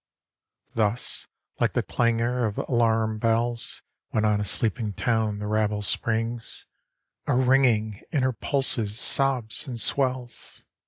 Thus, like the clangor of alarum bells When on a sleeping town the rabble springs, A ringing in her pulses sobs and swells, 83 8 4 THE LAST NIGHT.